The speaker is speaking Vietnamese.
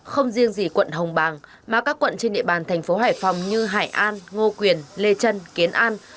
không riêng gì quận hồng bàng mà các quận trên địa bàn thành phố hải phòng như hải an ngô quyền lê trân kiến an